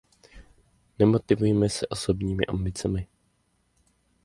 Nemotivujme se osobními ambicemi.